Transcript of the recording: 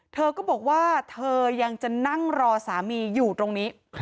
เธอก็บอกว่าเธอยังจะนั่งรอสามีอยู่ตรงนี้